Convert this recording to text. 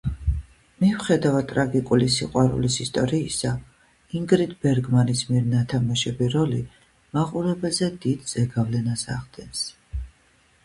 მიუხედავად ტრაგიკული სიყვარულის ისტორიისა, ინგრიდ ბერგმანის მიერ ნათამაშები როლი მაყურებელზე დიდ ზეგავლენას ახდენს.